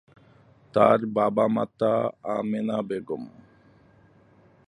তার বাবা মাতা আমেনা বেগম।